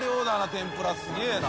天ぷらすげぇな。